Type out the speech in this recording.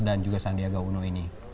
dan juga sandiaga uno ini